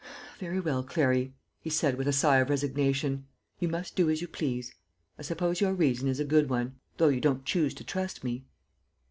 "Very well, Clary," he said with a sigh of resignation; "you must do as you please. I suppose your reason is a good one, though you don't choose to trust me."